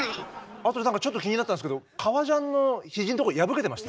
あと何かちょっと気になったんすけど革ジャンの肘のとこ破けてました？